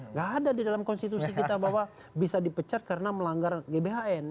nggak ada di dalam konstitusi kita bahwa bisa dipecat karena melanggar gbhn